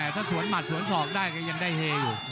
ถ้าสวนหัดสวนศอกได้ก็ยังได้เฮอยู่